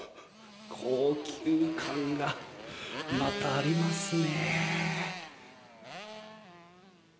高級感がまた、ありますね。